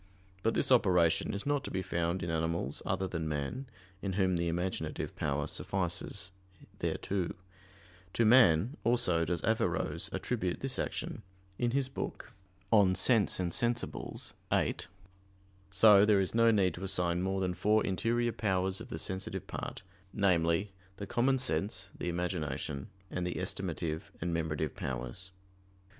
But this operation is not to be found in animals other than man, in whom the imaginative power suffices thereto. To man also does Averroes attribute this action in his book De sensu et sensibilibus (viii). So there is no need to assign more than four interior powers of the sensitive part namely, the common sense, the imagination, and the estimative and memorative powers.